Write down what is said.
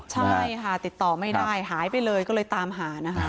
ใช่ค่ะติดต่อไม่ได้หายไปเลยก็เลยตามหานะคะ